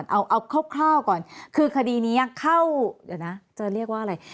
เอาคร่าวก่อนคือคดีนี้เข้าเดี๋ยวนะจะเรียกว่าอะไร